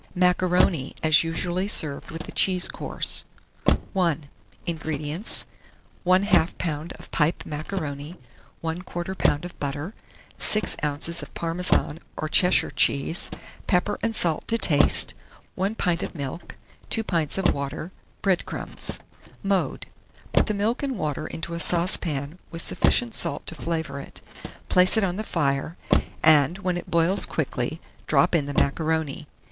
MACARONI, as usually served with the CHEESE COURSE. I. 1645. INGREDIENTS. 1/2 lb. of pipe macaroni, 1/4 lb. of butter, 6 oz. of Parmesan or Cheshire cheese, pepper and salt to taste, 1 pint of milk, 2 pints of water, bread crumbs. Mode. Put the milk and water into a saucepan with sufficient salt to flavour it; place it on the fire, and, when it boils quickly, drop in the macaroni.